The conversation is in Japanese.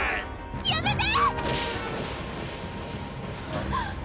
やめて！